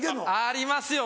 ありますよ